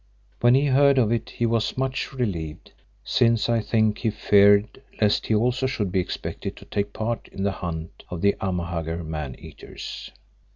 When he heard of it he was much relieved, since I think he feared lest he also should be expected to take part in the hunt of the Amahagger man eaters.